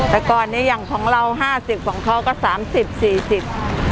แต่ก่อนเนี้ยอย่างของเราห้าสิบของเขาก็สามสิบสี่สิบ